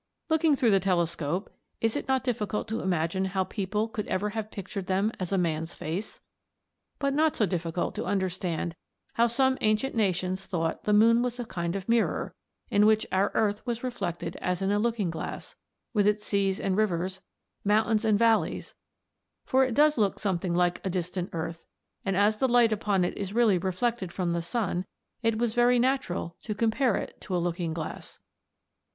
Looking through the telescope, is it not difficult to imagine how people could ever have pictured them as a man's face? But not so difficult to understand how some ancient nations thought the moon was a kind of mirror, in which our earth was reflected as in a looking glass, with its seas and rivers, mountains and valleys; for it does look something like a distant earth, and as the light upon it is really reflected from the sun it was very natural to compare it to a looking glass.